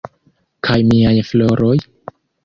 Kaj miaj floroj?